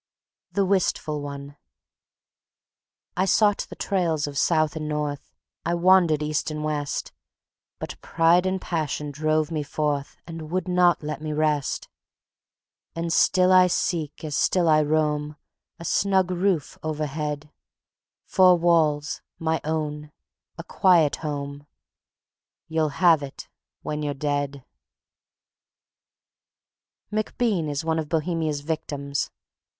The Wistful One I sought the trails of South and North, I wandered East and West; But pride and passion drove me forth And would not let me rest. And still I seek, as still I roam, A snug roof overhead; Four walls, my own; a quiet home. ... "You'll have it when you're dead." MacBean is one of Bohemia's victims.